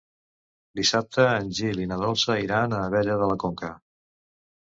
Dissabte en Gil i na Dolça iran a Abella de la Conca.